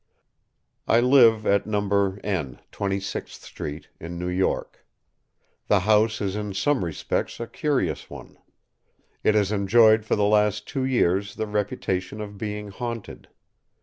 I live at No. — Twenty sixth Street, in New York. The house is in some respects a curious one. It has enjoyed for the last two years the reputation of being haunted.